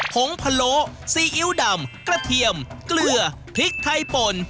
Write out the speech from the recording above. งพะโลซีอิ๊วดำกระเทียมเกลือพริกไทยป่น